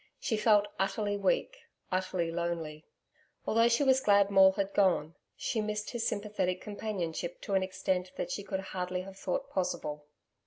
She felt utterly weak, utterly lonely. Although she was glad Maule had gone, she missed his sympathetic companionship to an extent that she could hardly have thought possible.